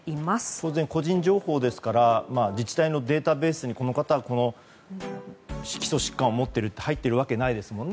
当然、個人情報ですから自治体のデータベースにこの方はこの基礎疾患を持っていると入っているわけないですもんね。